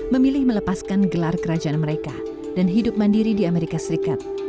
memilih melepaskan gelar kerajaan mereka dan hidup mandiri di amerika serikat